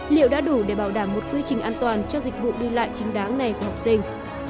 liệu đã đủ để bảo đảm một quy trình an toàn cho dịch vụ đi lại chính đáng này của học sinh